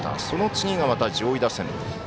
その次がまた上位打線。